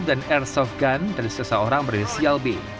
dan airsoft gun dari seseorang berilis sial b